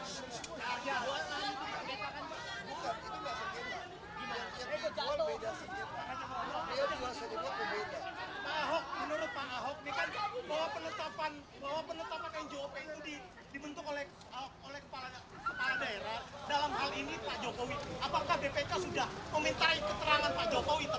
dalam hal ini pak jokowi apakah bpk sudah meminta keterangan pak jokowi terkait penetapan njop